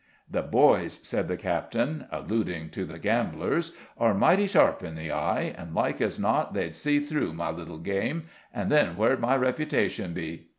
"The boys," said the captain, alluding to the gamblers, "are mighty sharp in the eye, and like as not they'd see through my little game, and then where'd my reputation be?